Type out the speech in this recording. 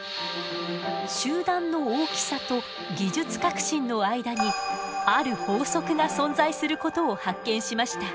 集団の大きさと技術革新の間にある法則が存在することを発見しました。